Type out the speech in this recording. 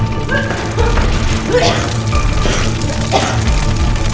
ya pak makasih ya pak